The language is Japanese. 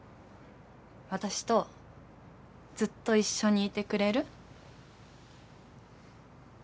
私とずっと一緒にいてくれる？